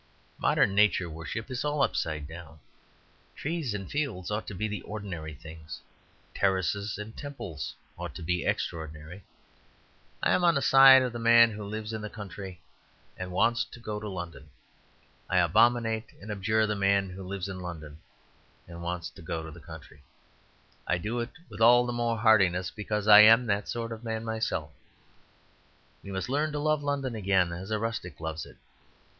Modern nature worship is all upside down. Trees and fields ought to be the ordinary things; terraces and temples ought to be extraordinary. I am on the side of the man who lives in the country and wants to go to London. I abominate and abjure the man who lives in London and wants to go to the country; I do it with all the more heartiness because I am that sort of man myself. We must learn to love London again, as rustics love it.